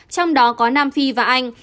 trong đó có nam phi và anh